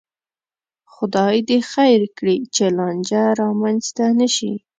خدای دې خیر کړي، چې لانجه را منځته نشي